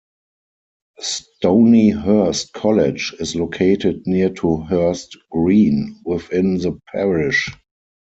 Stonyhurst College is located near to Hurst Green, within the parish.